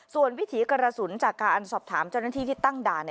ส่วนวิถีกระสุนจากการสอบถามเจ้าหน้าที่ที่ตั้งด่าน